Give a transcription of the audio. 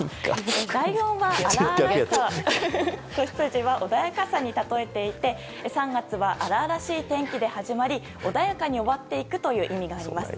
ライオンは荒々しさ子羊を穏やかさに例えていて３月は荒々しい天気で始まり穏やかに終わっていくという意味があります。